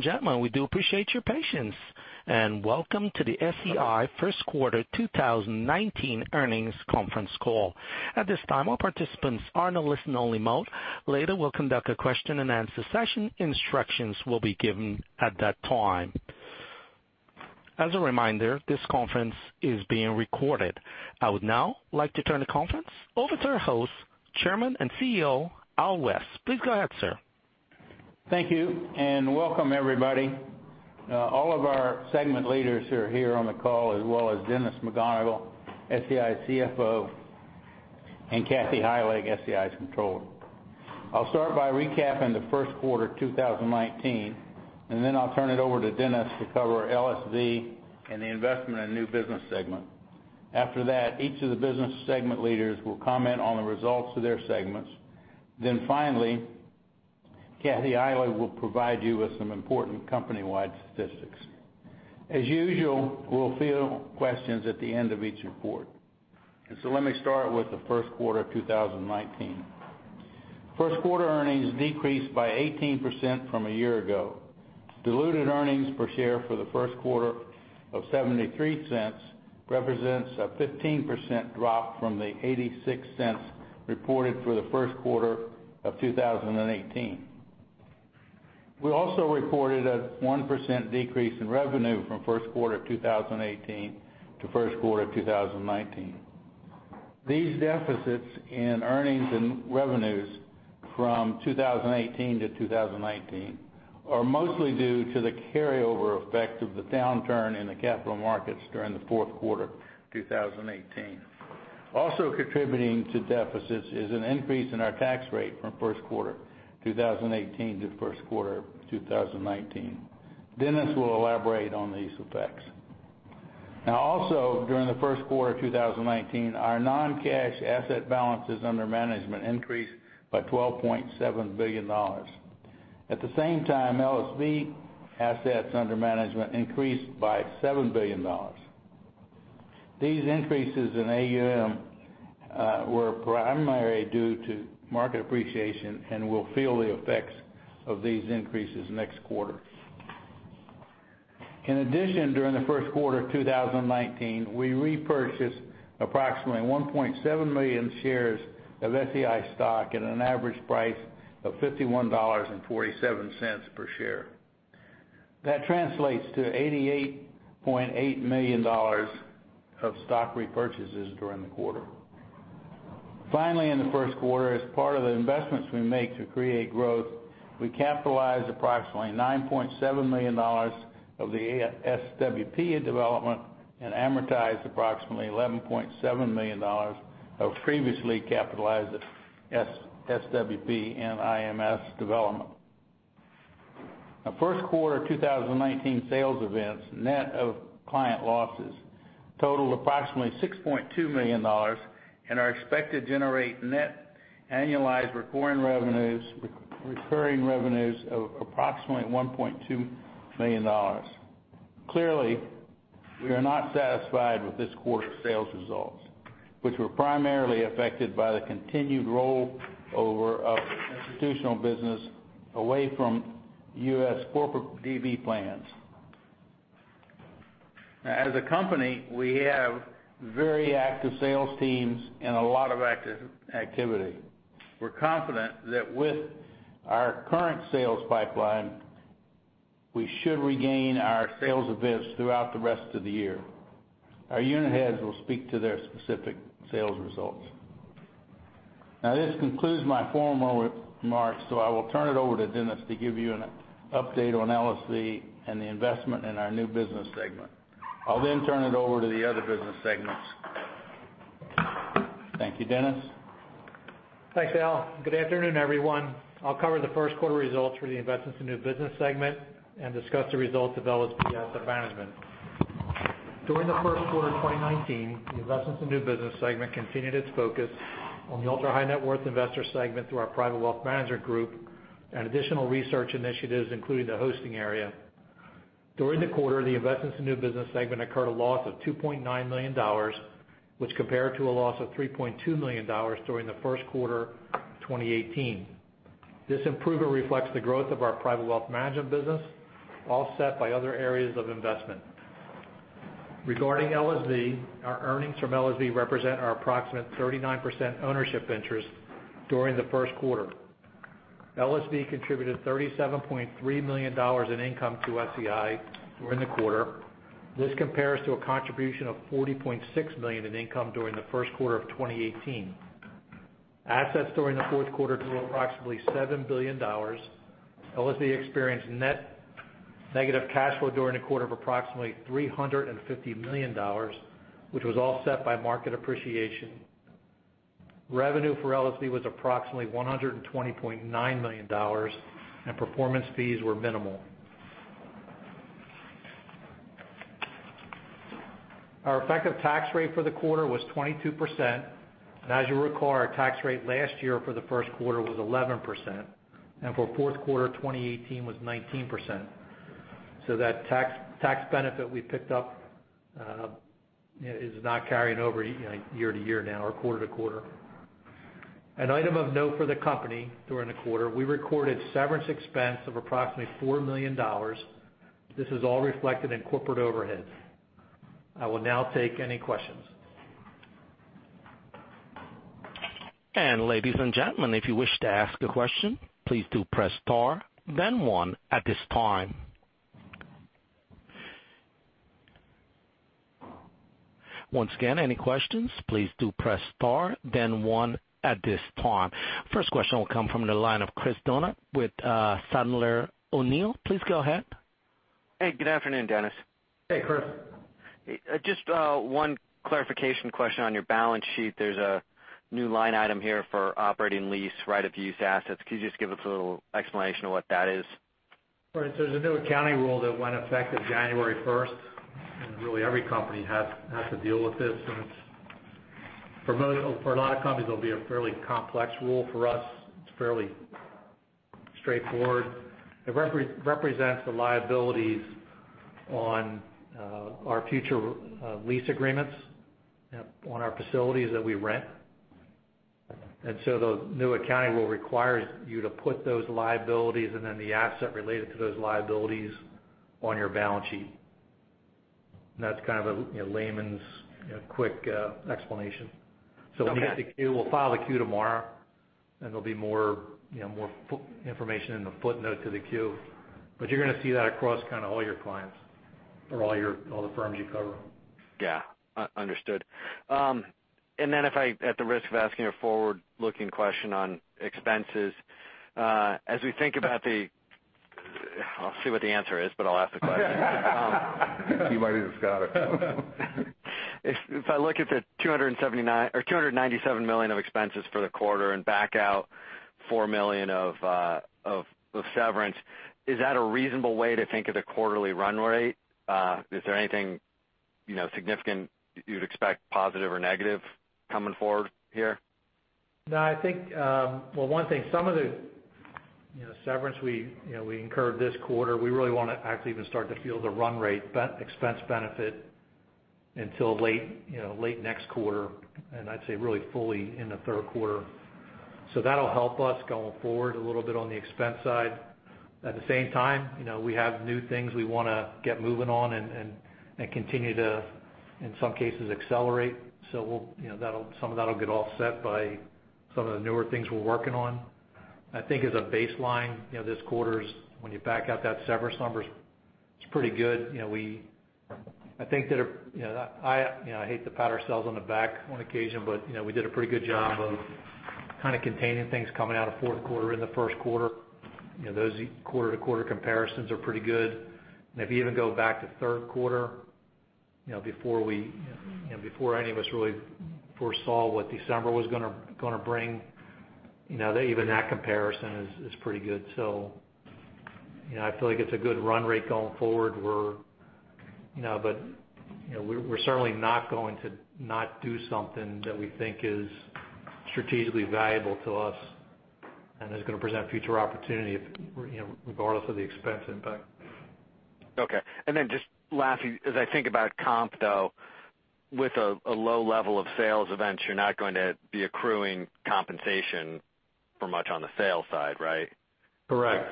Gentlemen, we do appreciate your patience. Welcome to the SEI first quarter 2019 earnings conference call. At this time, all participants are in a listen-only mode. Later, we'll conduct a question-and-answer session. Instructions will be given at that time. As a reminder, this conference is being recorded. I would now like to turn the conference over to our host, Chairman and CEO, Al West. Please go ahead, sir. Thank you. Welcome everybody. All of our segment leaders are here on the call, as well as Dennis McGonigle, SEI CFO, and Kathy Heilig, SEI's Controller. I'll start by recapping the first quarter 2019. I'll turn it over to Dennis to cover LSV and the investment in new business segment. After that, each of the business segment leaders will comment on the results of their segments. Finally, Kathy Heilig will provide you with some important company-wide statistics. As usual, we'll field questions at the end of each report. Let me start with the first quarter of 2019. First quarter earnings decreased by 18% from a year ago. Diluted earnings per share for the first quarter of $0.73 represents a 15% drop from the $0.86 reported for the first quarter of 2018. We also reported a 1% decrease in revenue from first quarter 2018 to first quarter 2019. These deficits in earnings and revenues from 2018 to 2019 are mostly due to the carryover effect of the downturn in the capital markets during the fourth quarter 2018. Also contributing to deficits is an increase in our tax rate from first quarter 2018 to first quarter 2019. Dennis will elaborate on these effects. Also during the first quarter 2019, our non-cash asset balances under management increased by $12.7 billion. At the same time, LSV assets under management increased by $7 billion. These increases in AUM were primarily due to market appreciation and will feel the effects of these increases next quarter. In addition, during the first quarter 2019, we repurchased approximately 1.7 million shares of SEI stock at an average price of $51.47 per share. That translates to $88.8 million of stock repurchases during the quarter. Finally, in the first quarter, as part of the investments we make to create growth, we capitalized approximately $9.7 million of the SWPE development and amortized approximately $11.7 million of previously capitalized SWP and IMS development. First quarter 2019 sales events, net of client losses, totaled approximately $6.2 million and are expected to generate net annualized recurring revenues of approximately $1.2 million. Clearly, we are not satisfied with this quarter's sales results, which were primarily affected by the continued roll-over of institutional business away from U.S. corporate DB plans. As a company, we have very active sales teams and a lot of activity. We're confident that with our current sales pipeline, we should regain our sales events throughout the rest of the year. Our unit heads will speak to their specific sales results. This concludes my formal remarks, so I will turn it over to Dennis to give you an update on LSV and the investment in our new business segment. I will then turn it over to the other business segments. Thank you, Dennis. Thanks, Al. Good afternoon, everyone. I will cover the first quarter results for the investments in new business segment and discuss the results of LSV assets under management. During the first quarter of 2019, the investments in new business segment continued its focus on the ultra-high net worth investor segment through our private wealth management group and additional research initiatives, including the hosting area. During the quarter, the investments in new business segment incurred a loss of $2.9 million, which compared to a loss of $3.2 million during the first quarter of 2018. This improvement reflects the growth of our private wealth management business, offset by other areas of investment. Regarding LSV, our earnings from LSV represent our approximate 39% ownership interest during the first quarter. LSV contributed $37.3 million in income to SEI during the quarter. This compares to a contribution of $40.6 million in income during the first quarter of 2018. Assets during the fourth quarter grew approximately $7 billion. LSV experienced net negative cash flow during the quarter of approximately $350 million, which was offset by market appreciation. Revenue for LSV was approximately $120.9 million, and performance fees were minimal. Our effective tax rate for the quarter was 22%, and as you recall, our tax rate last year for the first quarter was 11%, and for fourth quarter 2018 was 19%. That tax benefit we picked up is not carrying over year-to-year now or quarter-to-quarter. An item of note for the company during the quarter, we recorded severance expense of approximately $4 million. This is all reflected in corporate overheads. I will now take any questions. Ladies and gentlemen, if you wish to ask a question, please do press star then one at this time. Once again, any questions, please do press star then one at this time. First question will come from the line of Chris Donat with Sandler O'Neill. Please go ahead. Hey, good afternoon, Dennis. Hey, Chris. Just one clarification question on your balance sheet. There's a new line item here for operating lease right of use assets. Could you just give us a little explanation of what that is? Right. There's a new accounting rule that went effective January 1st, really every company has to deal with this. For a lot of companies, it'll be a fairly complex rule. For us, it's fairly straightforward. It represents the liabilities on our future lease agreements on our facilities that we rent. The new accounting rule requires you to put those liabilities and then the asset related to those liabilities on your balance sheet. That's kind of a layman's quick explanation. Okay. We'll file the Q tomorrow, there'll be more information in the footnote to the Q. You're going to see that across kind of all your clients or all the firms you cover. Yeah. Understood. If I, at the risk of asking a forward-looking question on expenses, as we think about the I'll see what the answer is, I'll ask the question. He might even scout it. If I look at the $297 million of expenses for the quarter and back out $4 million of severance, is that a reasonable way to think of the quarterly run rate? Is there anything significant you'd expect, positive or negative, coming forward here? No. Well, one thing, some of the severance we incurred this quarter, we really want to actually even start to feel the run rate expense benefit until late next quarter, and I'd say really fully in the third quarter. That'll help us going forward a little bit on the expense side. At the same time, we have new things we want to get moving on and continue to, in some cases, accelerate. Some of that'll get offset by some of the newer things we're working on. I think as a baseline, this quarter is, when you back out that severance number, it's pretty good. I hate to pat ourselves on the back on occasion, but we did a pretty good job of kind of containing things coming out of fourth quarter into first quarter. Those quarter-to-quarter comparisons are pretty good. If you even go back to third quarter, before any of us really foresaw what December was going to bring, even that comparison is pretty good. I feel like it's a good run rate going forward. We're certainly not going to not do something that we think is strategically valuable to us and is going to present future opportunity regardless of the expense impact. Okay. Just lastly, as I think about comp though, with a low level of sales events, you're not going to be accruing compensation for much on the sales side, right? Correct.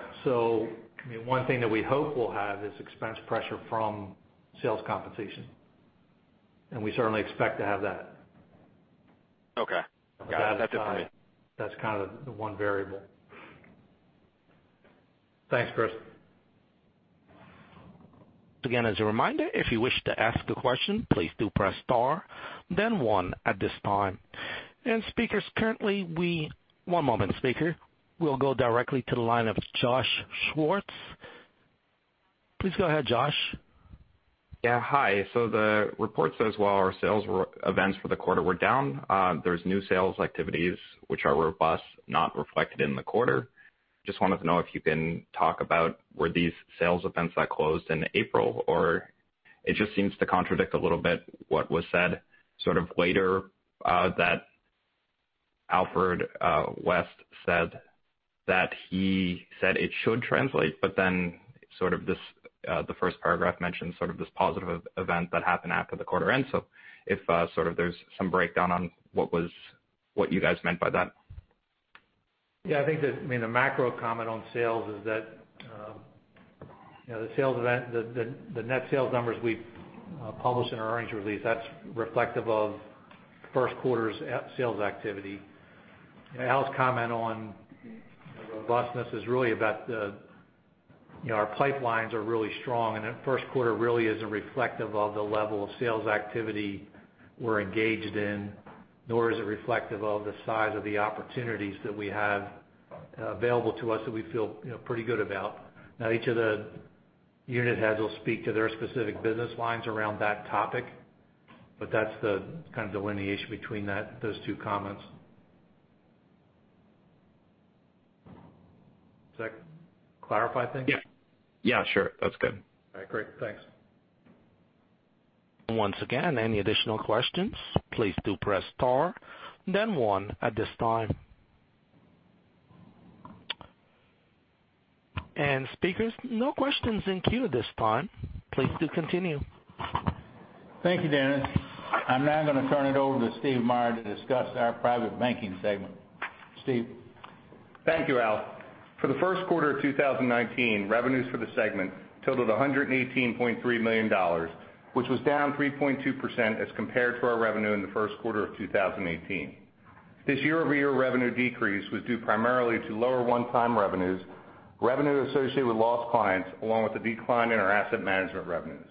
One thing that we hope we'll have is expense pressure from sales compensation. We certainly expect to have that. Okay. That's it for me. That's kind of the one variable. Thanks, Chris. Again, as a reminder, if you wish to ask a question, please do press star then one at this time. Speakers, currently One moment, speaker. We'll go directly to the line of Josh Schwartz. Please go ahead, Josh. Yeah, hi. The report says while our sales events for the quarter were down, there's new sales activities which are robust, not reflected in the quarter. Just wanted to know if you can talk about were these sales events that closed in April? It just seems to contradict a little bit what was said sort of later, that Alfred West said that he said it should translate, the first paragraph mentioned sort of this positive event that happened after the quarter end. If sort of there's some breakdown on what you guys meant by that. Yeah, I think that, the macro comment on sales is that the net sales numbers we publish in our earnings release, that's reflective of first quarter's sales activity. Al's comment on the robustness is really about our pipelines are really strong, and that first quarter really isn't reflective of the level of sales activity we're engaged in, nor is it reflective of the size of the opportunities that we have available to us that we feel pretty good about. Each of the unit heads will speak to their specific business lines around that topic, but that's the kind of delineation between those two comments. Does that clarify things? Yeah. Sure. That's good. All right, great. Thanks. Once again, any additional questions, please do press star then one at this time. Speakers, no questions in queue at this time. Please do continue. Thank you, Dennis. I'm now going to turn it over to Steve Meyer to discuss our private banking segment. Steve? Thank you, Al. For the first quarter of 2019, revenues for the segment totaled $118.3 million, which was down 3.2% as compared to our revenue in the first quarter of 2018. This year-over-year revenue decrease was due primarily to lower one-time revenues, revenue associated with lost clients, along with the decline in our asset management revenues.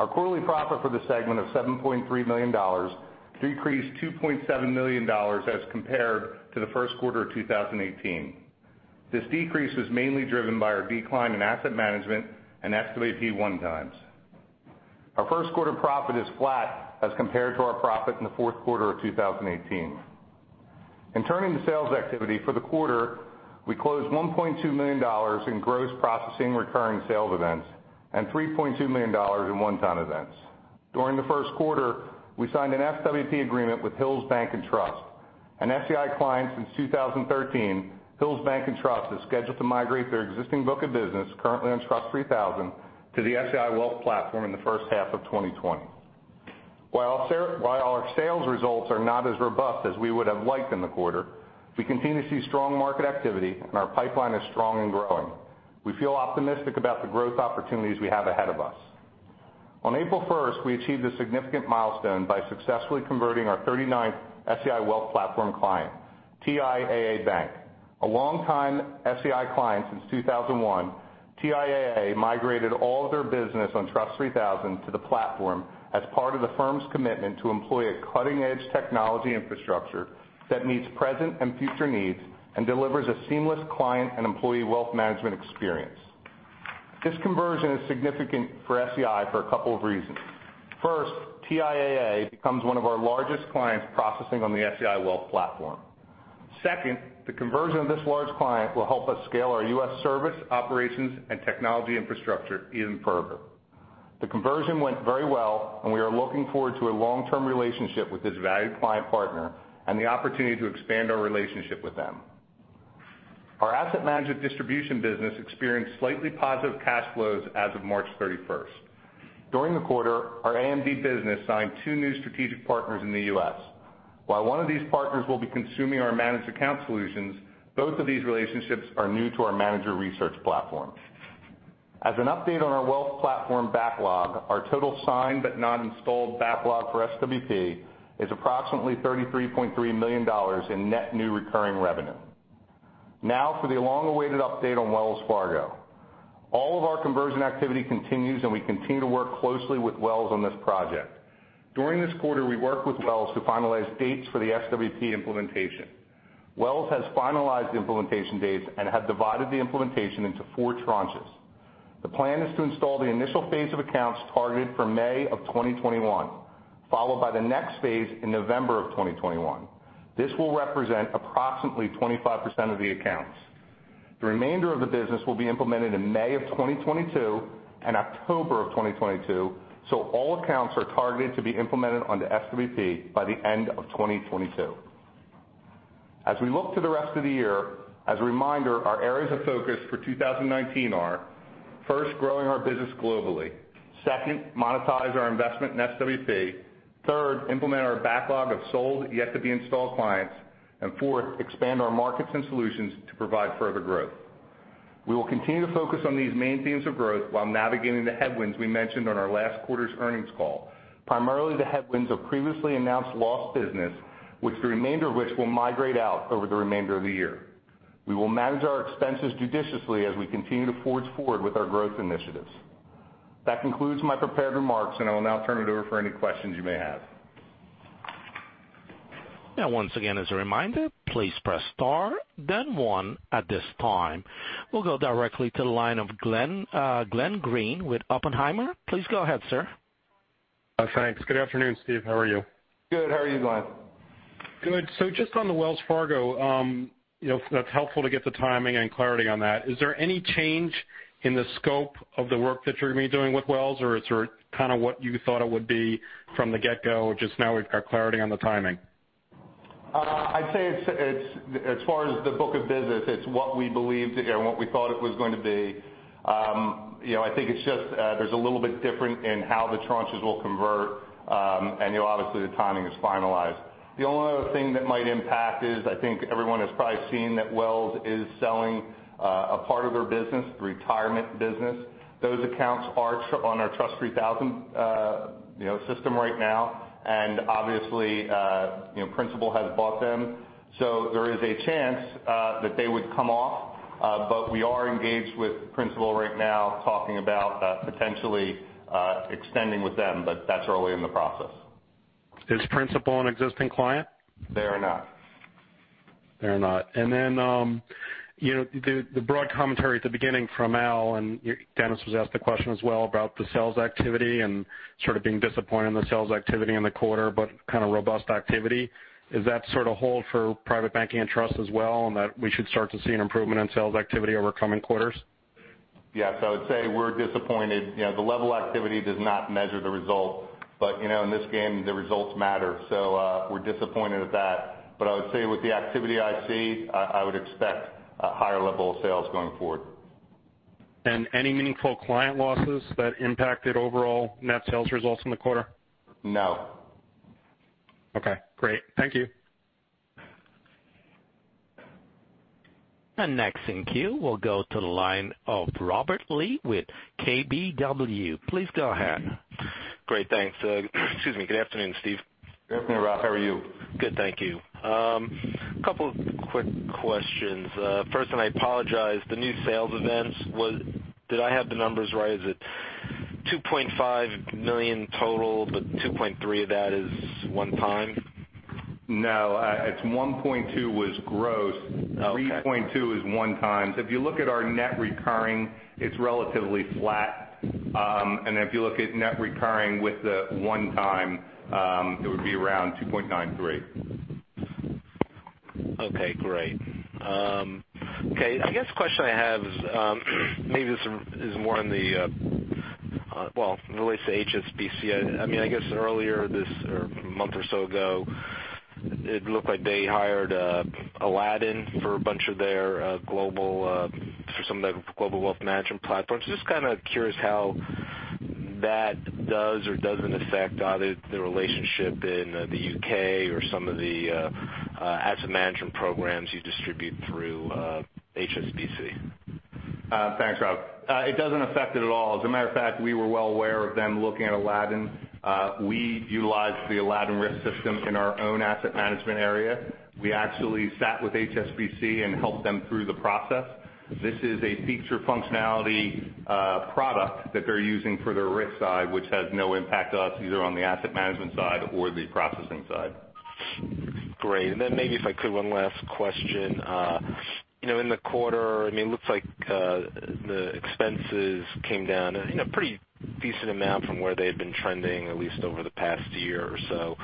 Our quarterly profit for the segment of $7.3 million decreased $2.7 million as compared to the first quarter of 2018. This decrease was mainly driven by our decline in asset management and SWP one-times. Our first quarter profit is flat as compared to our profit in the fourth quarter of 2018. Turning to sales activity for the quarter, we closed $1.2 million in gross processing recurring sales events and $3.2 million in one-time events. During the first quarter, we signed an SWP agreement with Hills Bank and Trust. An SEI client since 2013, Hills Bank and Trust is scheduled to migrate their existing book of business, currently on TRUST 3000, to the SEI Wealth Platform in the first half of 2020. While our sales results are not as robust as we would have liked in the quarter, we continue to see strong market activity, and our pipeline is strong and growing. We feel optimistic about the growth opportunities we have ahead of us. On April 1st, we achieved a significant milestone by successfully converting our 39th SEI Wealth Platform client, TIAA Bank. A long-time SEI client since 2001, TIAA migrated all of their business on TRUST 3000 to the platform as part of the firm's commitment to employ a cutting-edge technology infrastructure that meets present and future needs and delivers a seamless client and employee wealth management experience. This conversion is significant for SEI for a couple of reasons. First, TIAA becomes one of our largest clients processing on the SEI Wealth Platform. Second, the conversion of this large client will help us scale our U.S. service operations and technology infrastructure even further. The conversion went very well, and we are looking forward to a long-term relationship with this valued client partner and the opportunity to expand our relationship with them. Our asset management distribution business experienced slightly positive cash flows as of March 31st. During the quarter, our AMD business signed two new strategic partners in the U.S. While one of these partners will be consuming our managed account solutions, both of these relationships are new to our manager research platform. As an update on our wealth platform backlog, our total signed but not installed backlog for SWP is approximately $33.3 million in net new recurring revenue. Now for the long-awaited update on Wells Fargo. All of our conversion activity continues, and we continue to work closely with Wells on this project. During this quarter, we worked with Wells to finalize dates for the SWP implementation. Wells has finalized the implementation dates and has divided the implementation into four tranches. The plan is to install the initial phase of accounts targeted for May of 2021, followed by the next phase in November of 2021. This will represent approximately 25% of the accounts. The remainder of the business will be implemented in May of 2022 and October of 2022. All accounts are targeted to be implemented onto SWP by the end of 2022. As we look to the rest of the year, as a reminder, our areas of focus for 2019 are, first, growing our business globally. Second, monetize our investment in SWP. Third, implement our backlog of sold, yet-to-be-installed clients. Fourth, expand our markets and solutions to provide further growth. We will continue to focus on these main themes of growth while navigating the headwinds we mentioned on our last quarter's earnings call. Primarily, the headwinds of previously announced lost business, which the remainder of which will migrate out over the remainder of the year. We will manage our expenses judiciously as we continue to forge forward with our growth initiatives. That concludes my prepared remarks, and I will now turn it over for any questions you may have. Once again as a reminder, please press star then one at this time. We'll go directly to the line of Glenn Greene with Oppenheimer. Please go ahead, sir. Thanks. Good afternoon, Steve. How are you? Good. How are you, Glenn? Good. Just on the Wells Fargo, that's helpful to get the timing and clarity on that. Is there any change in the scope of the work that you're going to be doing with Wells, or it's sort of what you thought it would be from the get-go, just now we've got clarity on the timing? I'd say as far as the book of business, it's what we thought it was going to be. I think there's a little bit different in how the tranches will convert. Obviously, the timing is finalized. The only other thing that might impact is I think everyone has probably seen that Wells is selling a part of their business, the retirement business. Those accounts are on our TRUST 3000 system right now. Obviously, Principal has bought them. There is a chance that they would come off. We are engaged with Principal right now, talking about potentially extending with them. That's early in the process. Is Principal an existing client? They are not. They're not. The broad commentary at the beginning from Al, and Dennis was asked the question as well about the sales activity and sort of being disappointed in the sales activity in the quarter, but kind of robust activity. Is that sort of hold for private banking and trust as well, and that we should start to see an improvement in sales activity over coming quarters? Yes, I would say we're disappointed. The level of activity does not measure the result. In this game, the results matter. We're disappointed at that. I would say with the activity I see, I would expect a higher level of sales going forward. Any meaningful client losses that impacted overall net sales results in the quarter? No. Okay, great. Thank you. Next in queue, we'll go to the line of Robert Lee with KBW. Please go ahead. Great. Thanks. Excuse me. Good afternoon, Steve. Good afternoon, Rob. How are you? Good, thank you. Couple of quick questions. First, I apologize, the new sales events, did I have the numbers right? Is it $2.5 million total, $2.3 million of that is one-time? No, it's $1.2 was gross- Okay. $3.2 is one-time. If you look at our net recurring, it's relatively flat. If you look at net recurring with the one-time, it would be around $2.93. Okay, great. The question I have is, maybe this is more in the, well, relates to HSBC. Earlier this or a month or so ago, it looked like they hired Aladdin for some of their global wealth management platforms. Just kind of curious how that does or doesn't affect either the relationship in the U.K. or some of the asset management programs you distribute through HSBC. Thanks, Rob. It doesn't affect it at all. As a matter of fact, we were well aware of them looking at Aladdin. We utilize the Aladdin risk system in our own asset management area. We actually sat with HSBC and helped them through the process. This is a feature functionality product that they're using for their risk side, which has no impact to us, either on the asset management side or the processing side. Great. Maybe if I could, one last question. In the quarter, it looks like the expenses came down a pretty decent amount from where they had been trending, at least over the past year or so.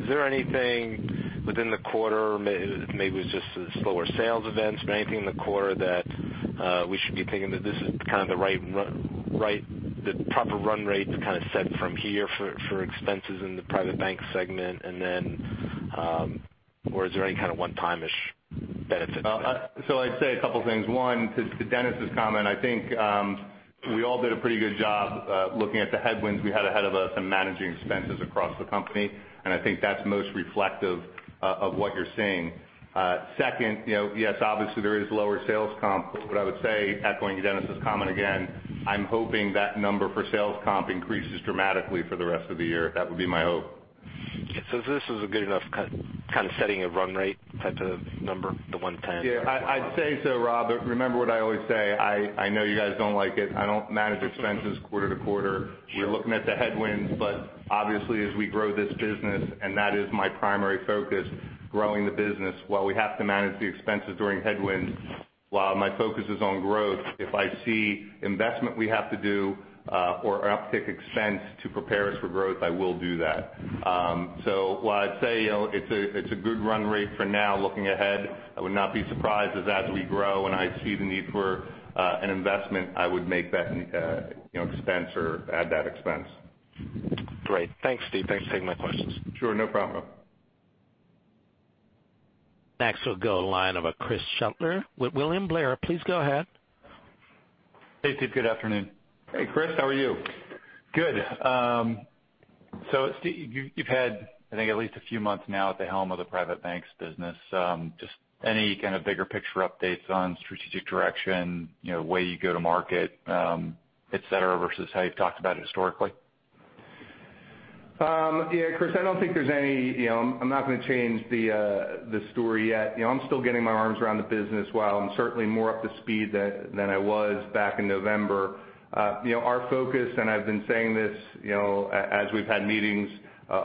Is there anything within the quarter, maybe it was just the slower sales events, but anything in the quarter that we should be thinking that this is kind of the proper run rate to kind of set from here for expenses in the private bank segment? Or is there any kind of one-timish benefit? I'd say a couple things. One, to Dennis's comment, I think we all did a pretty good job looking at the headwinds we had ahead of us and managing expenses across the company, and I think that's most reflective of what you're seeing. Second, yes, obviously there is lower sales comp, I would say, echoing Dennis's comment again, I'm hoping that number for sales comp increases dramatically for the rest of the year. That would be my hope. This is a good enough kind of setting a run rate type of number, the one time? Yeah. I'd say so, Rob. Remember what I always say, I know you guys don't like it, I don't manage expenses quarter to quarter. Sure. We're looking at the headwinds, obviously, as we grow this business, that is my primary focus, growing the business, while we have to manage the expenses during headwinds, while my focus is on growth, if I see investment we have to do or uptick expense to prepare us for growth, I will do that. While I'd say it's a good run rate for now looking ahead, I would not be surprised if as we grow and I see the need for an investment, I would make that expense or add that expense. Great. Thanks, Steve. Thanks for taking my questions. Sure. No problem. Next we'll go line of Chris Shutler with William Blair. Please go ahead. Hey, Steve. Good afternoon. Hey, Chris. How are you? Good. Steve, you've had, I think, at least a few months now at the helm of the private banks business. Just any kind of bigger picture updates on strategic direction, way you go to market, et cetera, versus how you've talked about it historically? Yeah, Chris, I'm not going to change the story yet. I'm still getting my arms around the business. While I'm certainly more up to speed than I was back in November, our focus, and I've been saying this as we've had meetings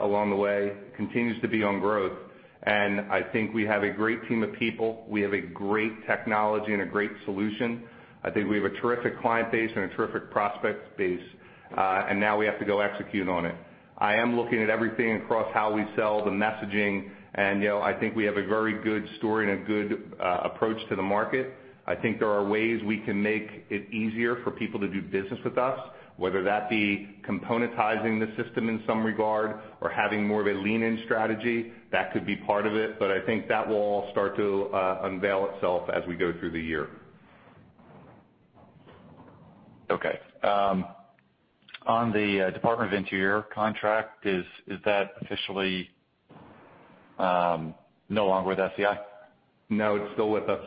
along the way, continues to be on growth. I think we have a great team of people. We have a great technology and a great solution. I think we have a terrific client base and a terrific prospect base. Now we have to go execute on it. I am looking at everything across how we sell the messaging, and I think we have a very good story and a good approach to the market. I think there are ways we can make it easier for people to do business with us, whether that be componentizing the system in some regard or having more of a lean-in strategy. That could be part of it, but I think that will all start to unveil itself as we go through the year. Okay. On the Department of the Interior contract, is that officially no longer with SEI? No, it's still with us.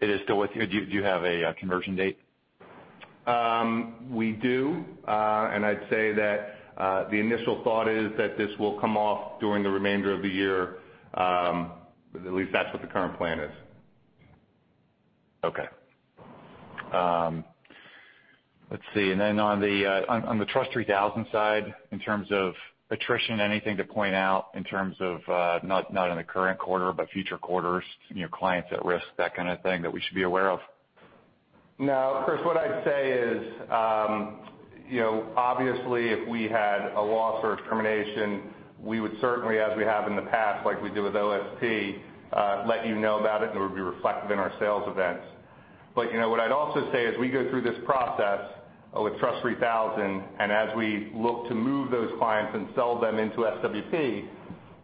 It is still with you. Do you have a conversion date? We do. I'd say that the initial thought is that this will come off during the remainder of the year. At least that's what the current plan is. Okay. Let's see. On the TRUST 3000 side, in terms of attrition, anything to point out in terms of, not in the current quarter, but future quarters, clients at risk, that kind of thing that we should be aware of? No. Chris, what I'd say is, obviously, if we had a loss or a termination, we would certainly, as we have in the past like we did with OSP, let you know about it, and it would be reflected in our sales events. What I'd also say as we go through this process with TRUST 3000 and as we look to move those clients and sell them into SWP,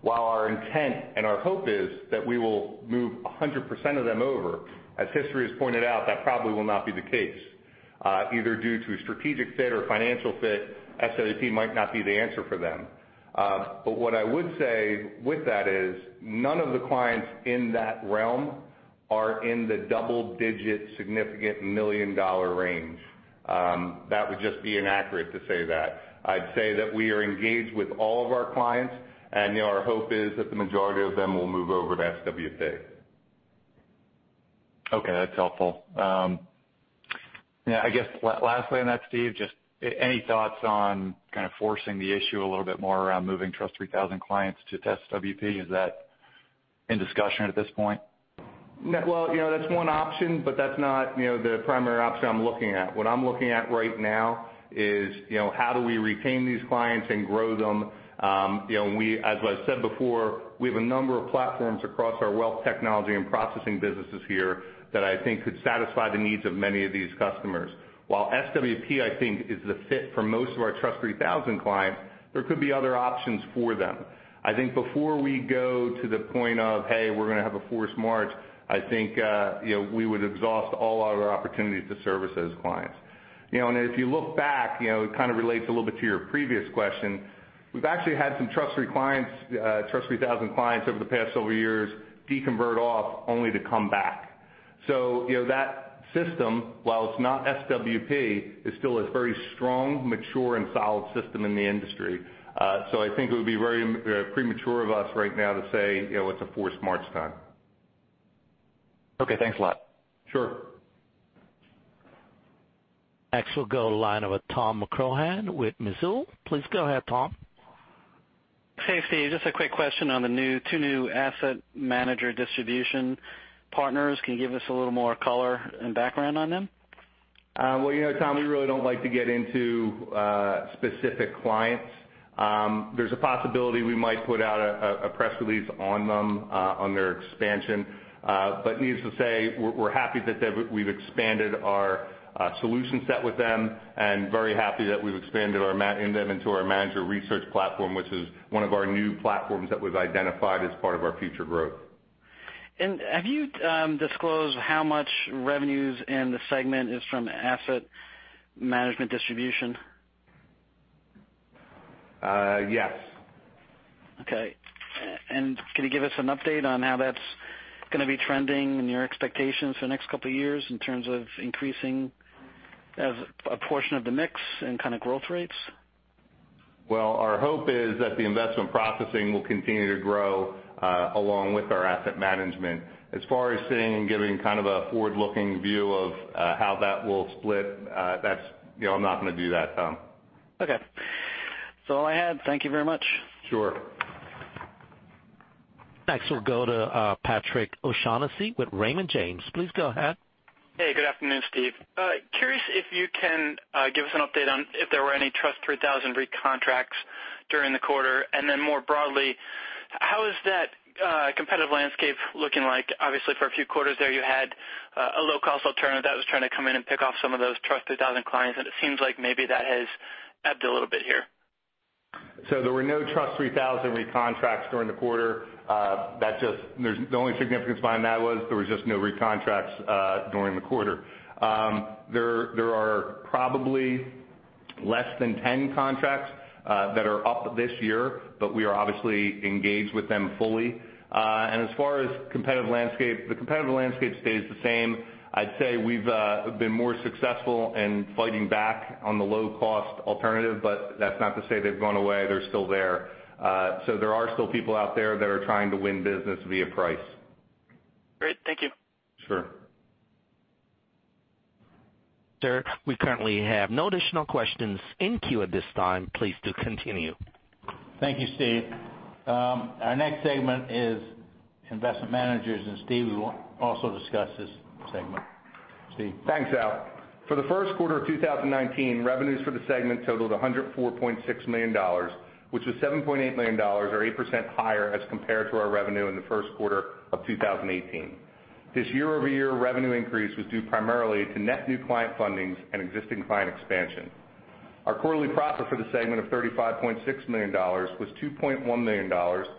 while our intent and our hope is that we will move 100% of them over, as history has pointed out, that probably will not be the case. Either due to a strategic fit or financial fit, SWP might not be the answer for them. What I would say with that is none of the clients in that realm are in the double-digit significant million-dollar range. That would just be inaccurate to say that. I'd say that we are engaged with all of our clients. Our hope is that the majority of them will move over to SWP. That's helpful. I guess lastly on that, Steve, just any thoughts on kind of forcing the issue a little bit more around moving TRUST 3000 clients to SWP? Is that in discussion at this point? That's one option, but that's not the primary option I'm looking at. What I'm looking at right now is how do we retain these clients and grow them. As I said before, we have a number of platforms across our wealth technology and processing businesses here that I think could satisfy the needs of many of these customers. While SWP, I think is the fit for most of our TRUST 3000 clients, there could be other options for them. I think before we go to the point of, "Hey, we're going to have a forced march," I think we would exhaust all our opportunities to service those clients. If you look back, it kind of relates a little bit to your previous question, we've actually had some TRUST 3000 clients over the past several years deconvert off, only to come back. That system, while it's not SWP, is still a very strong, mature, and solid system in the industry. I think it would be very premature of us right now to say it's a forced march time. Okay, thanks a lot. Sure. Next, we'll go line of Thomas McCrohan with Mizuho. Please go ahead, Tom. Hey, Steve. Just a quick question on the two new asset manager distribution partners. Can you give us a little more color and background on them? Well, Tom, we really don't like to get into specific clients. There's a possibility we might put out a press release on them, on their expansion. Needless to say, we're happy that we've expanded our solution set with them and very happy that we've expanded them into our manager research platform, which is one of our new platforms that we've identified as part of our future growth. Have you disclosed how much revenues in the segment is from asset management distribution? Yes. Okay. Can you give us an update on how that's going to be trending and your expectations for the next couple of years in terms of increasing as a portion of the mix and kind of growth rates? Well, our hope is that the investment processing will continue to grow, along with our asset management. As far as sitting and giving kind of a forward-looking view of how that will split, I'm not going to do that, Tom. Okay. That's all I had. Thank you very much. Sure. Next, we'll go to Patrick O'Shaughnessy with Raymond James. Please go ahead. Hey, good afternoon, Steve. Curious if you can give us an update on if there were any TRUST 3000 recontracts during the quarter. More broadly, how is that competitive landscape looking like? Obviously, for a few quarters there you had a low-cost alternative that was trying to come in and pick off some of those TRUST 3000 clients. It seems like maybe that has ebbed a little bit here. There were no TRUST 3000 recontracts during the quarter. The only significance behind that was there was just no recontracts during the quarter. There are probably less than 10 contracts that are up this year. We are obviously engaged with them fully. As far as competitive landscape, the competitive landscape stays the same. I'd say we've been more successful in fighting back on the low-cost alternative. That's not to say they've gone away. They're still there. There are still people out there that are trying to win business via price. Great. Thank you. Sure. Sir, we currently have no additional questions in queue at this time. Please do continue. Thank you, Steve. Our next segment is investment managers. Steve will also discuss this segment. Steve. Thanks, Al. For the first quarter of 2019, revenues for the segment totaled $104.6 million, which was $7.8 million, or 8% higher as compared to our revenue in the first quarter of 2018. This year-over-year revenue increase was due primarily to net new client fundings and existing client expansion. Our quarterly profit for the segment of $35.6 million was $2.1 million, or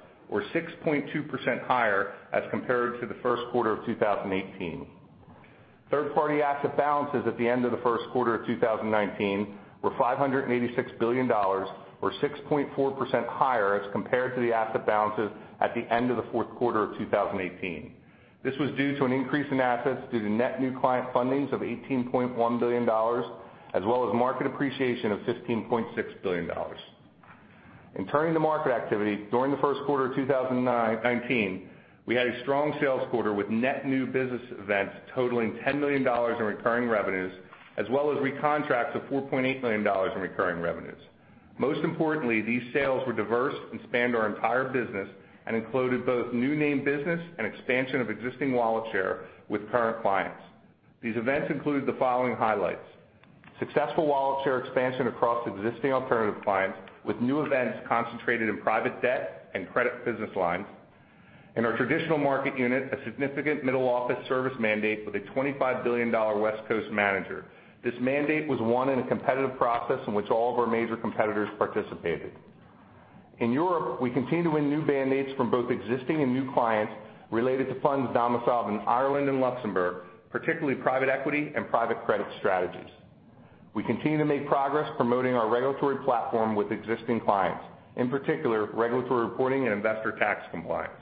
6.2% higher as compared to the first quarter of 2018. Third-party asset balances at the end of the first quarter of 2019 were $586 billion, or 6.4% higher as compared to the asset balances at the end of the fourth quarter of 2018. This was due to an increase in assets due to net new client fundings of $18.1 billion, as well as market appreciation of $15.6 billion. Turning to market activity, during the first quarter of 2019, we had a strong sales quarter with net new business events totaling $10 million in recurring revenues, as well as recontracts of $4.8 million in recurring revenues. Most importantly, these sales were diverse and spanned our entire business and included both new name business and expansion of existing wallet share with current clients. These events include the following highlights. Successful wallet share expansion across existing alternative clients with new events concentrated in private debt and credit business lines. In our traditional market unit, a significant middle office service mandate with a $25 billion West Coast manager. This mandate was won in a competitive process in which all of our major competitors participated. In Europe, we continue to win new mandates from both existing and new clients related to funds domiciled in Ireland and Luxembourg, particularly private equity and private credit strategies. We continue to make progress promoting our regulatory platform with existing clients, in particular, regulatory reporting and investor tax compliance.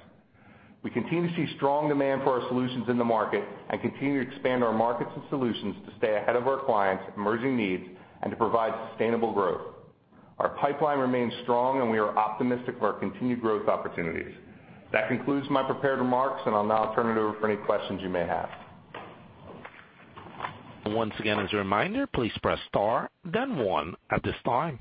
We continue to see strong demand for our solutions in the market and continue to expand our markets and solutions to stay ahead of our clients' emerging needs and to provide sustainable growth. Our pipeline remains strong, and we are optimistic of our continued growth opportunities. That concludes my prepared remarks, and I'll now turn it over for any questions you may have. Once again, as a reminder, please press star then one at this time.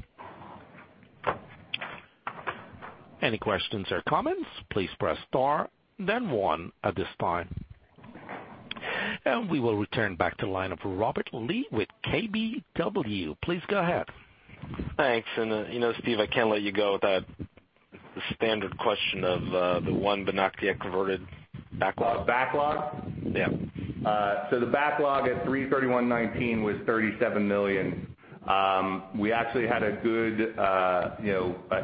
Any questions or comments, please press star then one at this time. We will return back to line of Robert Lee with KBW. Please go ahead. Thanks. Steve, I can't let you go without the standard question of the one [but not yet] converted backlog. Backlog? Yeah. The backlog at 3/31/2019 was $37 million. We actually had a good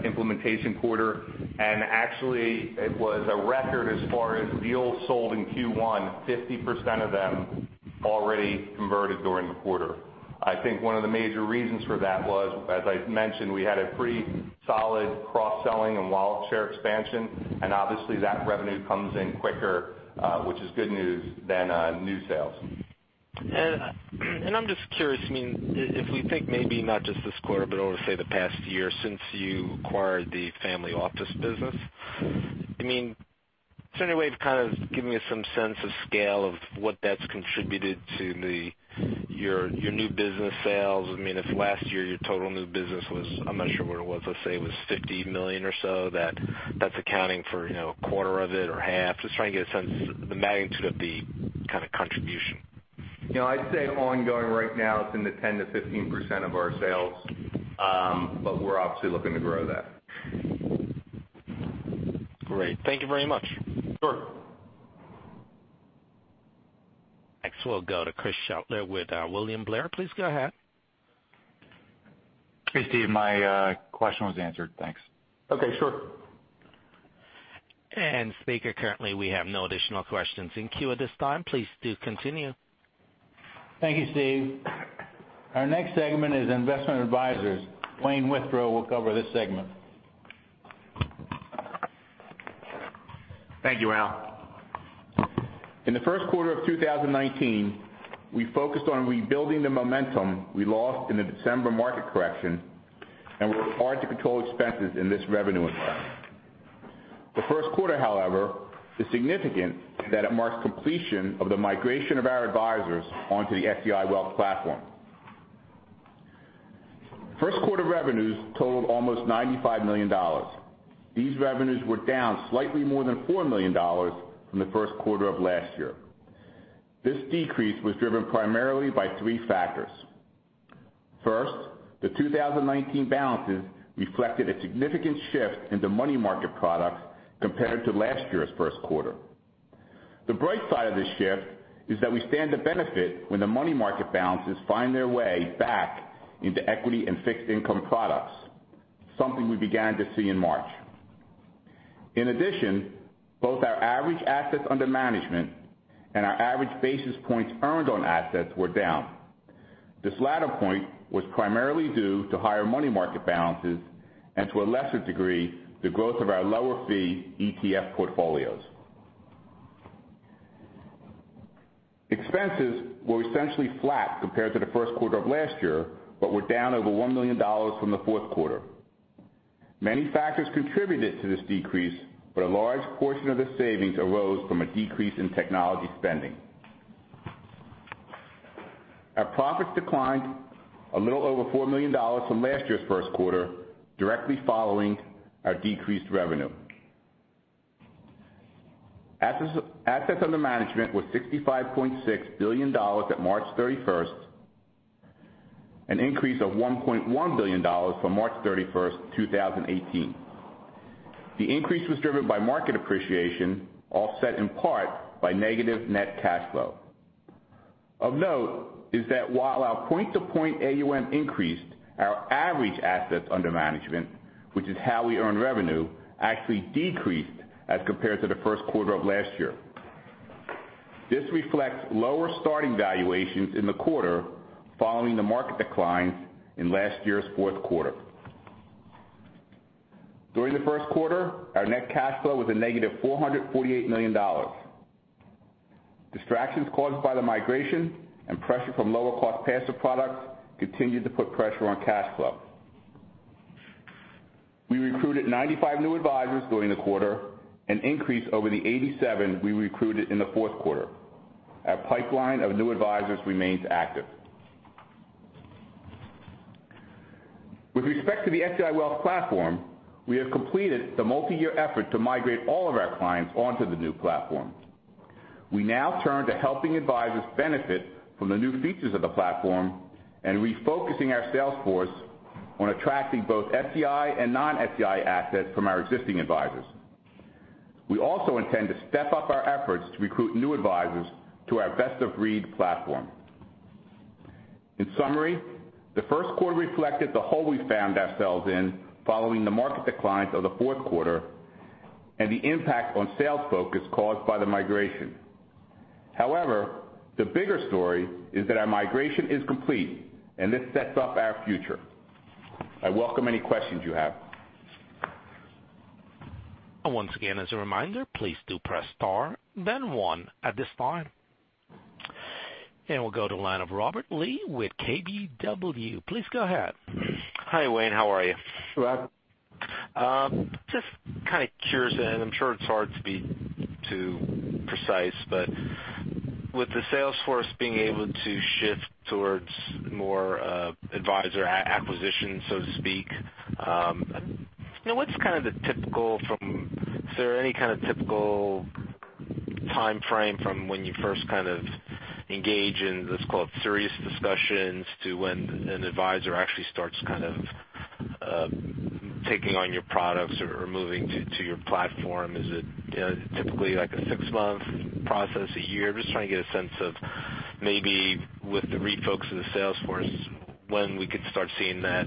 implementation quarter, and actually it was a record as far as deals sold in Q1, 50% of them already converted during the quarter. I think one of the major reasons for that was, as I mentioned, we had a pretty solid cross-selling and wallet share expansion, and obviously that revenue comes in quicker, which is good news, than new sales. I'm just curious, if we think maybe not just this quarter, but over, say, the past year since you acquired the family office business, is there any way of giving me some sense of scale of what that's contributed to your new business sales? If last year your total new business was, I'm not sure what it was, let's say it was $50 million or so, that's accounting for a quarter of it or half. Just trying to get a sense of the magnitude of the contribution. I'd say ongoing right now it's in the 10%-15% of our sales, we're obviously looking to grow that. Great. Thank you very much. Sure. Next we'll go to Chris Shutler with William Blair. Please go ahead. Hey, Steve, my question was answered. Thanks. Okay, sure. Speaker, currently we have no additional questions in queue at this time. Please do continue. Thank you, Steve. Our next segment is investment advisors. Wayne Withrow will cover this segment. Thank you, Al. In the first quarter of 2019, we focused on rebuilding the momentum we lost in the December market correction and worked hard to control expenses in this revenue environment. The first quarter, however, is significant that it marks completion of the migration of our advisors onto the SEI Wealth Platform. First quarter revenues totaled almost $95 million. These revenues were down slightly more than $4 million from the first quarter of last year. This decrease was driven primarily by three factors. First, the 2019 balances reflected a significant shift in the money market products compared to last year's first quarter. The bright side of this shift is that we stand to benefit when the money market balances find their way back into equity and fixed income products, something we began to see in March. Both our average assets under management and our average basis points earned on assets were down. This latter point was primarily due to higher money market balances and to a lesser degree, the growth of our lower fee ETF portfolios. Expenses were essentially flat compared to the first quarter of last year, but were down over $1 million from the fourth quarter. Many factors contributed to this decrease, but a large portion of the savings arose from a decrease in technology spending. Our profits declined a little over $4 million from last year's first quarter, directly following our decreased revenue. Assets under management were $65.6 billion at March 31st, an increase of $1.1 billion from March 31st, 2018. The increase was driven by market appreciation, offset in part by negative net cash flow. Of note is that while our point-to-point AUM increased, our average assets under management, which is how we earn revenue, actually decreased as compared to the first quarter of last year. This reflects lower starting valuations in the quarter following the market declines in last year's fourth quarter. During the first quarter, our net cash flow was a negative $448 million. Distractions caused by the migration and pressure from lower cost passive products continued to put pressure on cash flow. We recruited 95 new advisors during the quarter, an increase over the 87 we recruited in the fourth quarter. Our pipeline of new advisors remains active. With respect to the SEI Wealth Platform, we have completed the multi-year effort to migrate all of our clients onto the new platform. We now turn to helping advisors benefit from the new features of the platform and refocusing our sales force on attracting both SEI and non-SEI assets from our existing advisors. We also intend to step up our efforts to recruit new advisors to our best-of-breed platform. In summary, the first quarter reflected the hole we found ourselves in following the market declines of the fourth quarter and the impact on sales focus caused by the migration. The bigger story is that our migration is complete, and this sets up our future. I welcome any questions you have. Once again, as a reminder, please do press star then one at this time. We'll go to the line of Robert Lee with KBW. Please go ahead. Hi, Wayne. How are you? Rob. Just kind of curious, and I'm sure it's hard to be too precise, but with the sales force being able to shift towards more advisor acquisitions, so to speak, what's the typical timeframe from when you first engage in, let's call it, serious discussions to when an advisor actually starts taking on your products or moving to your platform? Is it typically like a six-month process, a year? Just trying to get a sense of maybe with the refocus of the sales force, when we could start seeing that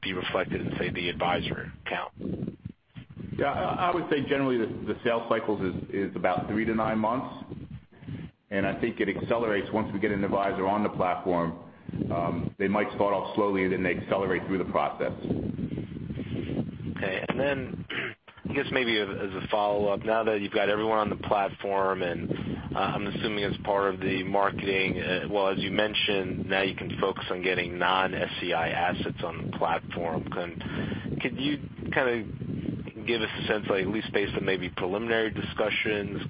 be reflected in, say, the advisor count. Yeah. I would say generally, the sales cycle is about three to nine months. I think it accelerates once we get an advisor on the platform. They might start off slowly, they accelerate through the process. Okay. I guess maybe as a follow-up, now that you've got everyone on the platform, I'm assuming as part of the marketing, well, as you mentioned, now you can focus on getting non-SEI assets on the platform. Could you give us a sense, at least based on maybe preliminary discussions,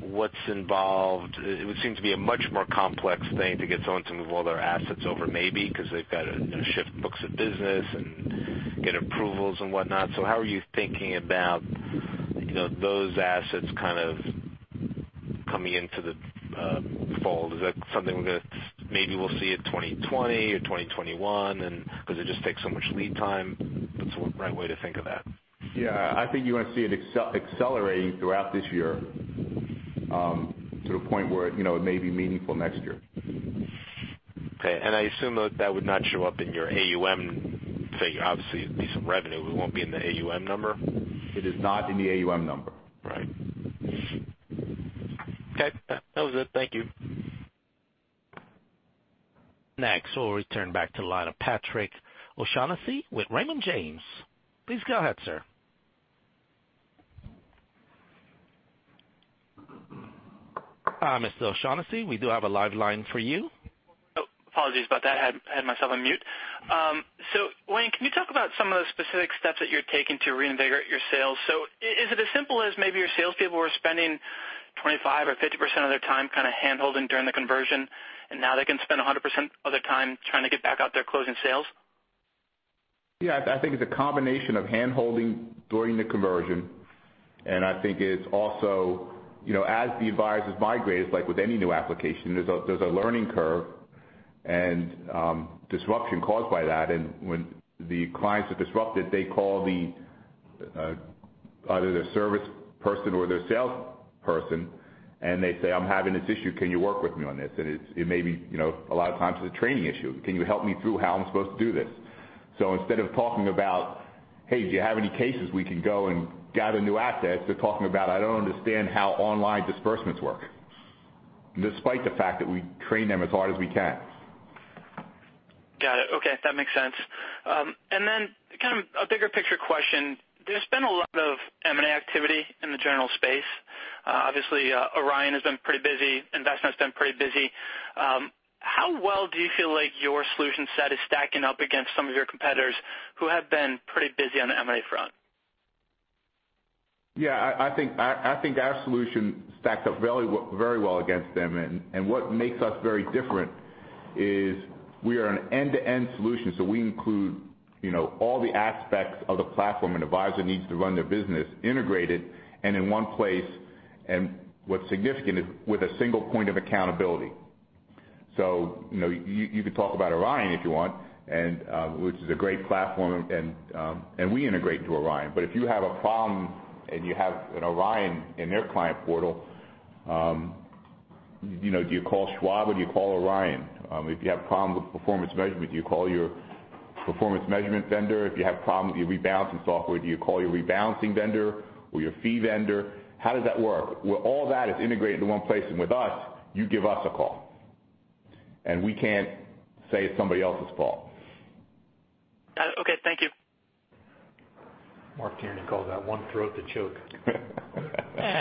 what's involved? It would seem to be a much more complex thing to get someone to move all their assets over, maybe because they've got to shift books of business and get approvals and whatnot. How are you thinking about those assets coming into the fold? Is that something maybe we'll see in 2020 or 2021 because it just takes so much lead time? What's the right way to think of that? Yeah. I think you're going to see it accelerating throughout this year to the point where it may be meaningful next year. Okay. I assume that would not show up in your AUM figure. Obviously, it'd be some revenue but it won't be in the AUM number? It is not in the AUM number. Right. Okay. That was it. Thank you. Next, we'll return back to the line of Patrick O'Shaughnessy with Raymond James. Please go ahead, sir. Mr. O'Shaughnessy, we do have a live line for you. Oh, apologies about that. I had myself on mute. Wayne, can you talk about some of the specific steps that you're taking to reinvigorate your sales? Is it as simple as maybe your salespeople were spending 25% or 50% of their time kind of hand-holding during the conversion, and now they can spend 100% of their time trying to get back out there closing sales? Yeah. I think it's a combination of hand-holding during the conversion, I think it's also as the advisors migrate, it's like with any new application, there's a learning curve and disruption caused by that. When the clients are disrupted, they call either their service person or their sales person, and they say, "I'm having this issue. Can you work with me on this?" It may be, a lot of times, it's a training issue. "Can you help me through how I'm supposed to do this?" Instead of talking about, "Hey, do you have any cases we can go and gather new assets?" They're talking about, "I don't understand how online disbursements work." Despite the fact that we train them as hard as we can. Got it. Okay. That makes sense. Kind of a bigger picture question. There's been a lot of M&A activity in the general space. Obviously, Orion has been pretty busy. Envestnet's been pretty busy. How well do you feel like your solution set is stacking up against some of your competitors who have been pretty busy on the M&A front? Yeah, I think our solution stacks up very well against them, what makes us very different is we are an end-to-end solution, we include all the aspects of the platform an advisor needs to run their business integrated and in one place, what's significant is with a single point of accountability. You could talk about Orion if you want, which is a great platform, and we integrate to Orion. If you have a problem and you have an Orion in their client portal, do you call Schwab or do you call Orion? If you have a problem with performance measurement, do you call your performance measurement vendor? If you have a problem with your rebalancing software, do you call your rebalancing vendor or your fee vendor? How does that work? Well, all that is integrated in one place, with us, you give us a call, we can't say it's somebody else's fault. Got it. Okay. Thank you. Mark Tierney called that one throat to choke.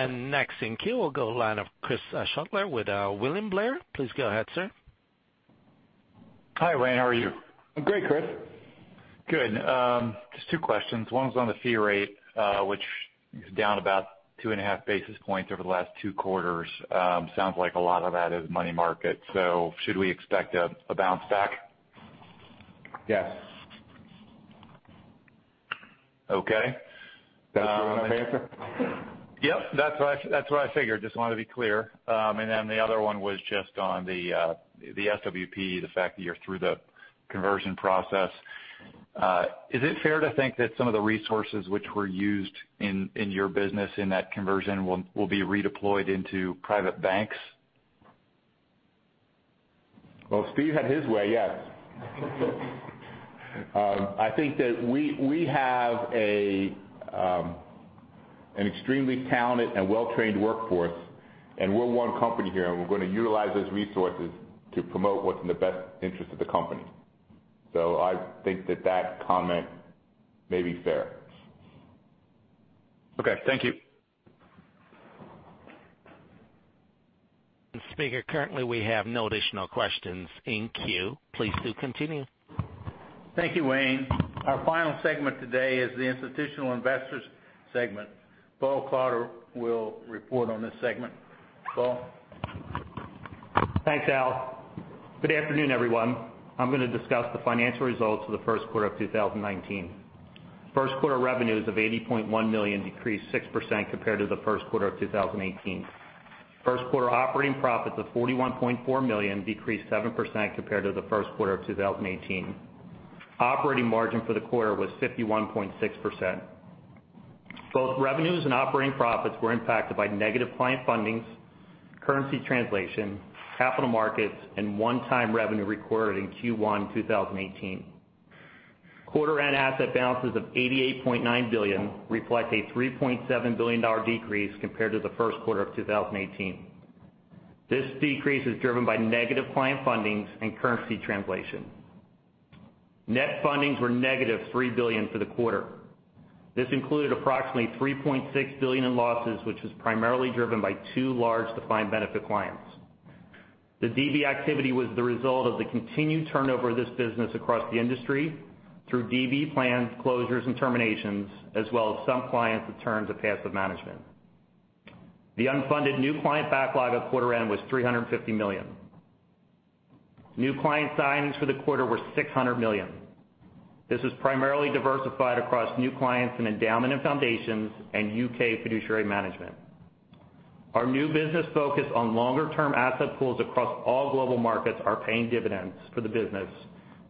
Next in queue, we'll go line of Chris Shutler with William Blair. Please go ahead, sir. Hi, Wayne. How are you? I'm great, Chris. Good. Just two questions. One was on the fee rate, which is down about two and a half basis points over the last two quarters. Sounds like a lot of that is money market. Should we expect a bounce back? Yes. Okay. That was the one answer? Yep, that's what I figured. Just wanted to be clear. Then the other one was just on the SWP, the fact that you're through the conversion process. Is it fair to think that some of the resources which were used in your business in that conversion will be redeployed into private banks? Well, if Steve had his way, yes. I think that we have an extremely talented and well-trained workforce, and we're one company here, and we're going to utilize those resources to promote what's in the best interest of the company. I think that that comment may be fair. Okay. Thank you. Speaker, currently we have no additional questions in queue. Please do continue. Thank you, Wayne. Our final segment today is the institutional investors segment. Paul Klauder will report on this segment. Paul? Thanks, Al. Good afternoon, everyone. I'm going to discuss the financial results of the first quarter of 2019. First quarter revenues of $80.1 million decreased 6% compared to the first quarter of 2018. First quarter operating profits of $41.4 million decreased 7% compared to the first quarter of 2018. Operating margin for the quarter was 51.6%. Both revenues and operating profits were impacted by negative client fundings, currency translation, capital markets, and one-time revenue recorded in Q1 2018. Quarter end asset balances of $88.9 billion reflect a $3.7 billion decrease compared to the first quarter of 2018. This decrease is driven by negative client fundings and currency translation. Net fundings were negative $3 billion for the quarter. This included approximately $3.6 billion in losses, which was primarily driven by two large defined benefit clients. The DB activity was the result of the continued turnover of this business across the industry through DB plan closures and terminations, as well as some clients' return to passive management. The unfunded new client backlog at quarter end was $350 million. New client signings for the quarter were $600 million. This was primarily diversified across new clients and endowment and foundations and U.K. fiduciary management. Our new business focus on longer-term asset pools across all global markets are paying dividends for the business,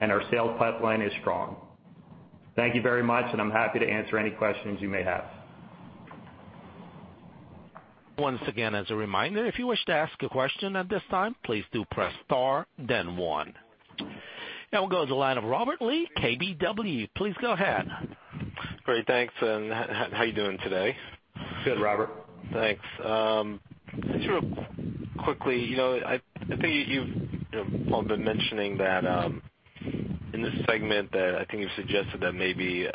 and our sales pipeline is strong. Thank you very much, and I'm happy to answer any questions you may have. Once again, as a reminder, if you wish to ask a question at this time, please do press star, then one. We'll go to the line of Robert Lee, KBW. Please go ahead. Great. Thanks, and how are you doing today? Good, Robert. Thanks. Quickly, I think you've all been mentioning that in this segment that I think you've suggested that maybe,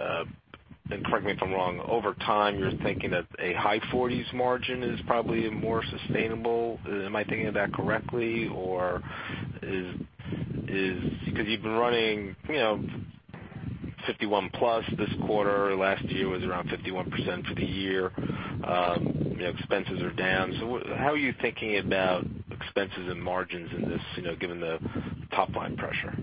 and correct me if I'm wrong, over time, you're thinking that a high forties margin is probably more sustainable. Am I thinking of that correctly? Or because you've been running 51 plus this quarter, last year was around 51% for the year. Expenses are down. How are you thinking about expenses and margins in this, given the top-line pressure?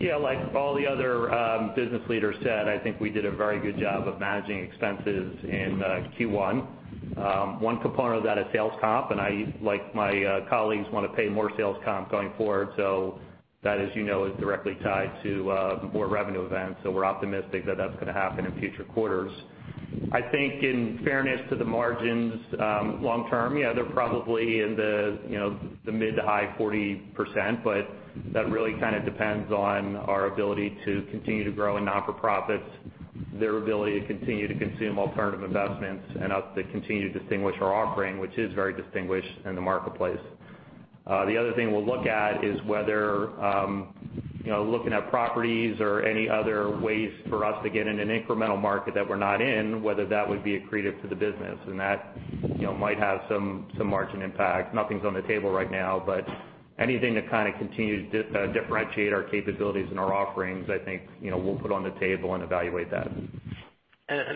Yeah, like all the other business leaders said, I think we did a very good job of managing expenses in Q1. One component of that is sales comp, and I, like my colleagues, want to pay more sales comp going forward. That, as you know, is directly tied to more revenue events. We're optimistic that that's going to happen in future quarters. I think in fairness to the margins long term, yeah, they're probably in the mid to high 40%, but that really kind of depends on our ability to continue to grow in not-for-profits, their ability to continue to consume alternative investments, and us to continue to distinguish our offering, which is very distinguished in the marketplace. The other thing we'll look at is whether looking at properties or any other ways for us to get in an incremental market that we're not in, whether that would be accretive to the business, and that might have some margin impact. Nothing's on the table right now, but anything to kind of continue to differentiate our capabilities and our offerings, I think we'll put on the table and evaluate that.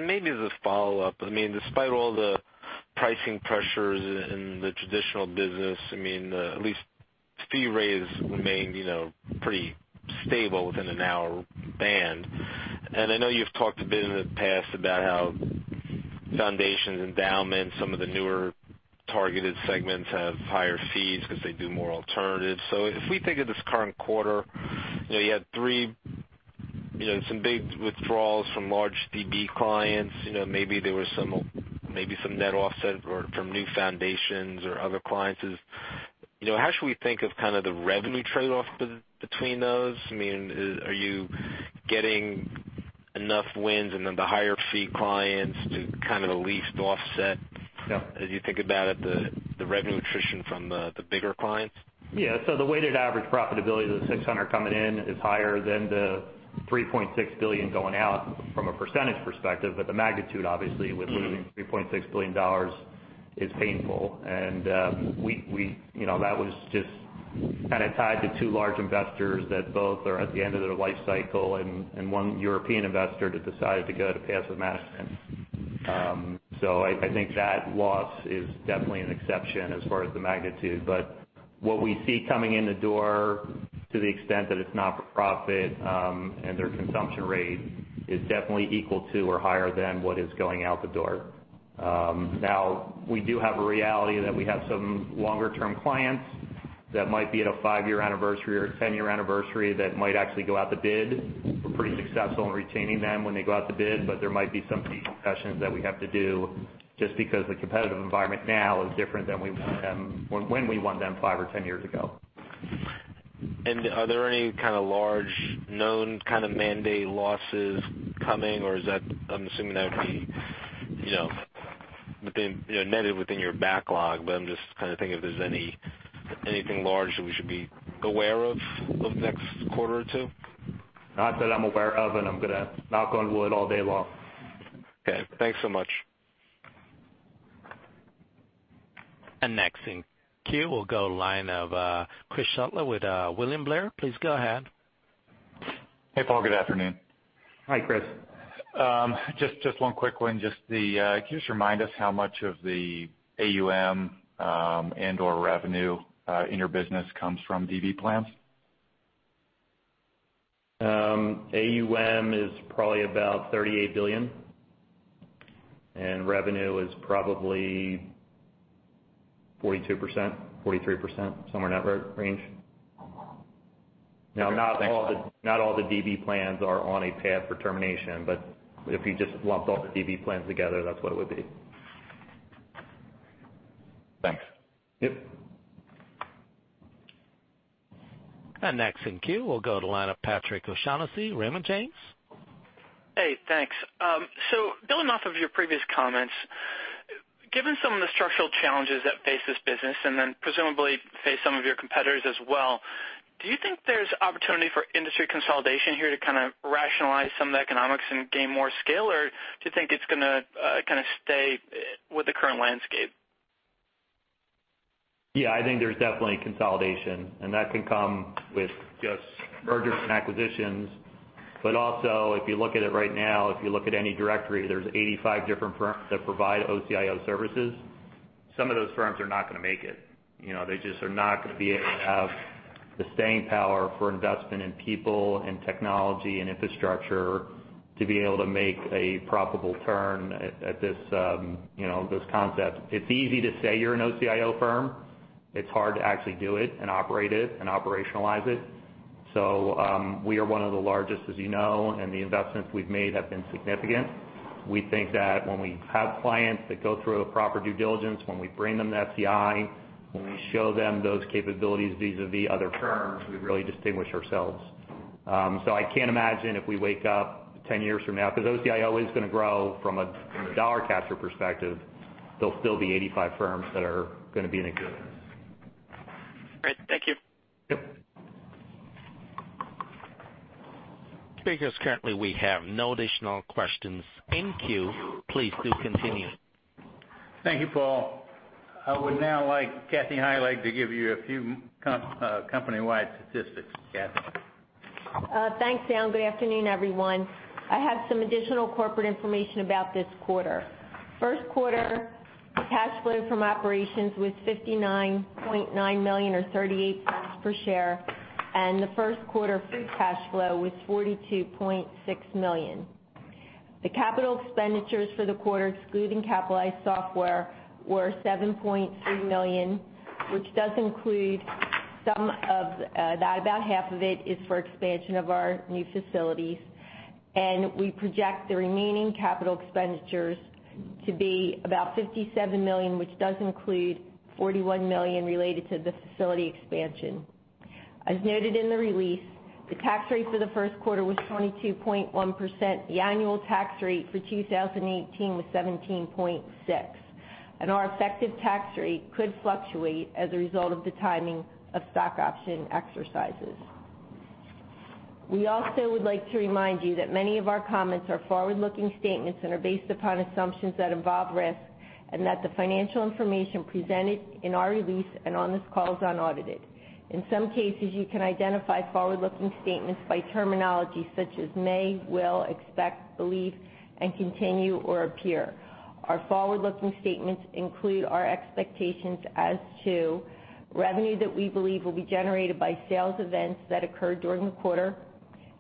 Maybe as a follow-up, despite all the pricing pressures in the traditional business, at least fee rates remained pretty stable within an hour band. I know you've talked a bit in the past about how foundations, endowments, some of the newer targeted segments have higher fees because they do more alternatives. If we think of this current quarter, you had some big withdrawals from large DB clients, maybe some net offset or from new foundations or other clients. How should we think of kind of the revenue trade-off between those? Are you getting enough wins and then the higher fee clients to kind of at least offset Yeah As you think about it, the revenue attrition from the bigger clients? Yeah. The weighted average profitability of the 600 coming in is higher than the $3.6 billion going out from a percentage perspective. The magnitude, obviously, with losing $3.6 billion is painful. That was just kind of tied to two large investors that both are at the end of their life cycle, and one European investor that decided to go to passive management. I think that loss is definitely an exception as far as the magnitude. What we see coming in the door, to the extent that it's not for profit, and their consumption rate is definitely equal to or higher than what is going out the door. We do have a reality that we have some longer term clients that might be at a five-year anniversary or 10-year anniversary that might actually go out to bid. We're pretty successful in retaining them when they go out to bid, there might be some fee concessions that we have to do just because the competitive environment now is different than when we won them five or 10 years ago. Are there any kind of large, known kind of mandate losses coming? I'm assuming that would be netted within your backlog, I'm just kind of thinking if there's anything large that we should be aware of over the next quarter or two? Not that I'm aware of, I'm going to knock on wood all day long. Okay, thanks so much. Next in queue, we'll go line of Chris Shutler with William Blair. Please go ahead. Hey, Paul. Good afternoon. Hi, Chris. Just one quick one. Can you just remind us how much of the AUM and/or revenue in your business comes from DB plans? AUM is probably about $38 billion, and revenue is probably 42%, 43%, somewhere in that range. Okay. Thanks. Now, not all the DB plans are on a path for termination, but if you just lumped all the DB plans together, that's what it would be. Thanks. Yep. Next in queue, we'll go to line of Patrick O'Shaughnessy, Raymond James. Hey, thanks. Building off of your previous comments, given some of the structural challenges that face this business and then presumably face some of your competitors as well, do you think there's opportunity for industry consolidation here to kind of rationalize some of the economics and gain more scale? Do you think it's going to kind of stay with the current landscape? Yeah, I think there's definitely consolidation, that can come with just mergers and acquisitions. Also, if you look at it right now, if you look at any directory, there's 85 different firms that provide OCIO services. Some of those firms are not going to make it. They just are not going to be able to have the staying power for investment in people, in technology, in infrastructure to be able to make a profitable turn at this concept. It's easy to say you're an OCIO firm. It's hard to actually do it and operate it and operationalize it. We are one of the largest, as you know, and the investments we've made have been significant. We think that when we have clients that go through a proper due diligence, when we bring them to FCI, when we show them those capabilities vis-a-vis other firms, we really distinguish ourselves. I can't imagine if we wake up 10 years from now, OCIO is going to grow from a dollar capture perspective. There'll still be 85 firms that are going to be in the game. Great. Thank you. Yep. Currently we have no additional questions in queue, please do continue. Thank you, Paul. I would now like Kathy Heilig to give you a few company-wide statistics. Kathy. Thanks, Al. Good afternoon, everyone. I have some additional corporate information about this quarter. First quarter cash flow from operations was $59.9 million, or $0.38 per share, and the first quarter free cash flow was $42.6 million. The capital expenditures for the quarter, excluding capitalized software, were $7.3 million, which does include About half of it is for expansion of our new facilities, and we project the remaining capital expenditures to be about $57 million, which does include $41 million related to the facility expansion. As noted in the release, the tax rate for the first quarter was 22.1%. The annual tax rate for 2018 was 17.6%, and our effective tax rate could fluctuate as a result of the timing of stock option exercises. We also would like to remind you that many of our comments are forward-looking statements and are based upon assumptions that involve risk, and that the financial information presented in our release and on this call is unaudited. In some cases, you can identify forward-looking statements by terminology such as may, will, expect, believe, and continue, or appear. Our forward-looking statements include our expectations as to revenue that we believe will be generated by sales events that occurred during the quarter,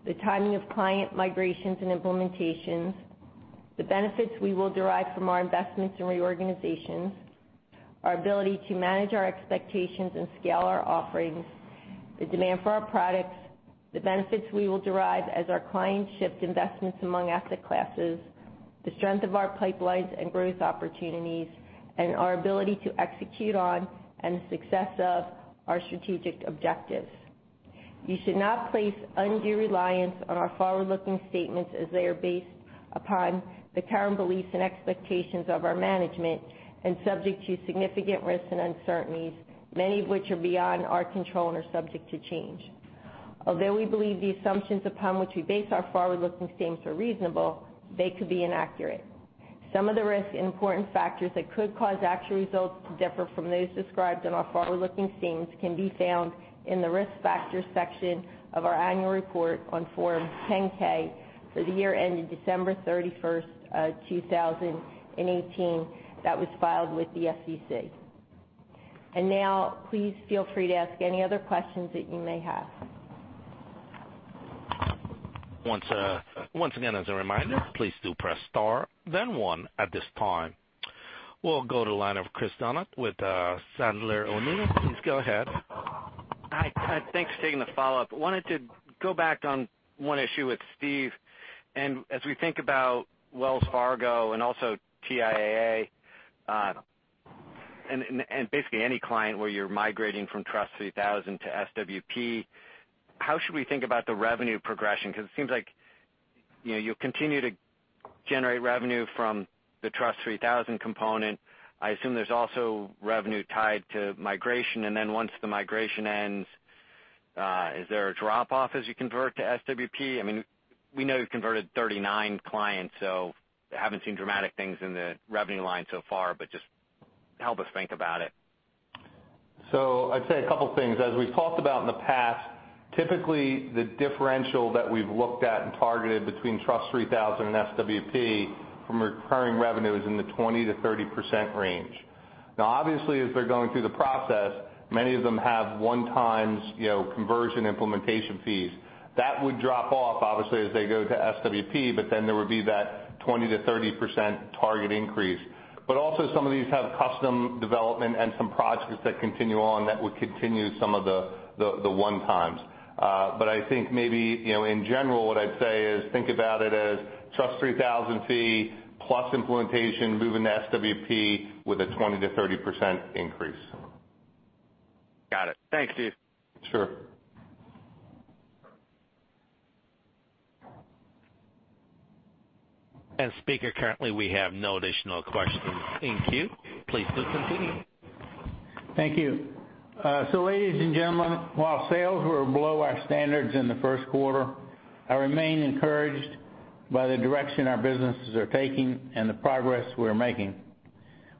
the timing of client migrations and implementations, the benefits we will derive from our investments and reorganizations, our ability to manage our expectations and scale our offerings, the demand for our products, the benefits we will derive as our clients shift investments among asset classes, the strength of our pipelines and growth opportunities, and our ability to execute on, and success of, our strategic objectives. You should not place undue reliance on our forward-looking statements as they are based upon the current beliefs and expectations of our management and subject to significant risks and uncertainties, many of which are beyond our control and are subject to change. Although we believe the assumptions upon which we base our forward-looking statements are reasonable, they could be inaccurate. Some of the risks and important factors that could cause actual results to differ from those described in our forward-looking statements can be found in the Risk Factors section of our annual report on Form 10-K for the year ending December 31st, 2018, that was filed with the SEC. Now, please feel free to ask any other questions that you may have. Once again, as a reminder, please do press star then one at this time. We'll go to the line of Chris Donat with Sandler O'Neill. Please go ahead. Hi. Thanks for taking the follow-up. Wanted to go back on one issue with Steve. As we think about Wells Fargo and also TIAA, and basically any client where you're migrating from TRUST 3000 to SWP, how should we think about the revenue progression? It seems like you'll continue to generate revenue from the TRUST 3000 component. I assume there's also revenue tied to migration, and then once the migration ends, is there a drop-off as you convert to SWP? We know you've converted 39 clients, I haven't seen dramatic things in the revenue line so far, but just help us think about it. I'd say a couple things. As we've talked about in the past, typically the differential that we've looked at and targeted between TRUST 3000 and SWP from recurring revenue is in the 20%-30% range. Obviously, as they're going through the process, many of them have one-times conversion implementation fees. That would drop off, obviously, as they go to SWP, there would be that 20%-30% target increase. Also some of these have custom development and some projects that continue on that would continue some of the one-times. I think maybe, in general, what I'd say is think about it as TRUST 3000 fee plus implementation moving to SWP with a 20%-30% increase. Got it. Thanks, Steve. Sure. speaker, currently, we have no additional questions in queue. Please do continue. Thank you. ladies and gentlemen, while sales were below our standards in the first quarter, I remain encouraged by the direction our businesses are taking and the progress we're making.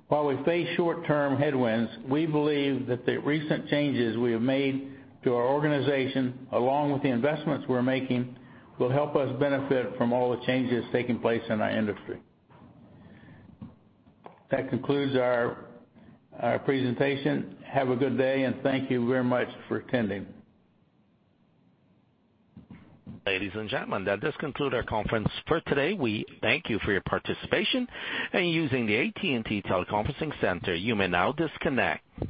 While we face short-term headwinds, we believe that the recent changes we have made to our organization, along with the investments we're making, will help us benefit from all the changes taking place in our industry. That concludes our presentation. Have a good day, and thank you very much for attending. Ladies and gentlemen, that does conclude our conference for today. We thank you for your participation, and using the AT&T teleconferencing center, you may now disconnect.